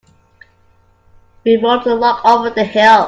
We rolled the log over the hill.